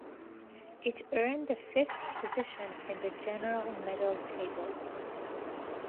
It earned the fifth position in the general medal table.